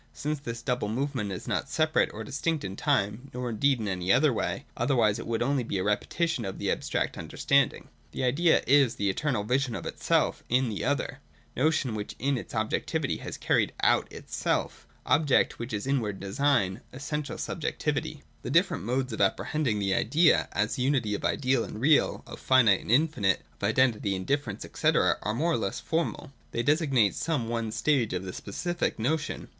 Since this double movement is not separate or distinct in time, nor indeed in any other way— otherwise it would be only a repetition of the abstract understand ing—the Idea is the eternal vision of itself in the other, — notion which in its objectivity haa carried out itself, — object which is inward design, essential .subjectivity. M, iij J THE IDEA. 357 The different modes of apprehending the Idea as unit}' of ideal and real, of finite and infinite, of identity and difference, &c. are more or less formal. Thej' designate some one stage of the specific notion.